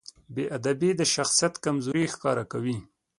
بېادبي د شخصیت کمزوري ښکاره کوي.